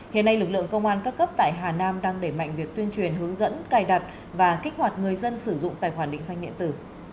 hiện nay lực lượng công an các cấp tại hà nam đang để mạnh việc tuyên truyền hướng dẫn cài đặt và kích hoạt người dân sử dụng tài khoản định danh điện tử